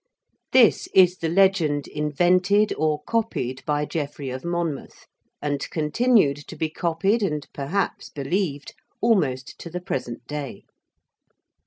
This is the legend invented or copied by Geoffrey of Monmouth, and continued to be copied, and perhaps believed, almost to the present day.